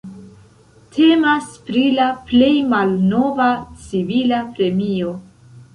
Temas pri la plej malnova civila premio.